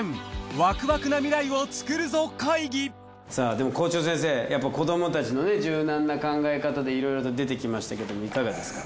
でも校長先生やっぱ子どもたちのね柔軟な考え方でいろいろと出てきましたけどもいかがですか？